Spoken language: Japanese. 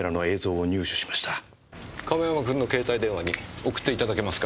亀山君の携帯電話に送っていただけますか？